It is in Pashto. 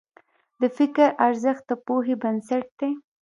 د فکر ارزښت د پوهې بنسټ دی.